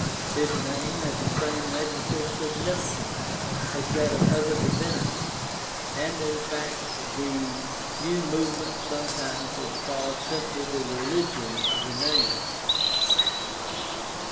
His "Name" had the same magical significance as that of other divinities, and in fact the new movement sometimes was called simply the religion of the "Name."